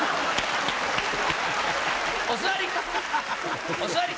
お座り！